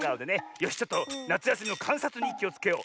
よしちょっとなつやすみのかんさつにっきをつけよう。